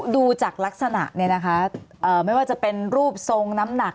ดูจากลักษณะเนี่ยนะคะไม่ว่าจะเป็นรูปทรงน้ำหนัก